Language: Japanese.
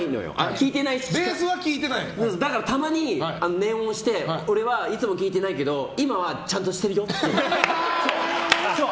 たまに念を押して俺はいつも聞いてないけど今はちゃんとしてるよって。